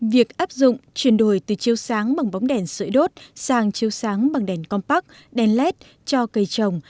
việc áp dụng chuyển đổi từ chiếu sáng bằng bóng đèn sợi đốt sang chiếu sáng bằng đèn compac đèn led cho cây trồng